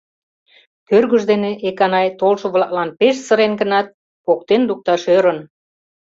Кӧргыж дене Эканай толшо-влаклан пеш сырен гынат, поктен лукташ ӧрын.